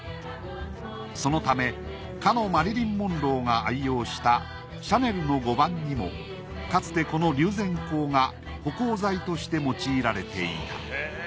そのためかのマリリン・モンローが愛用したシャネルの５番にもかつてこの龍涎香が保香剤として用いられていた。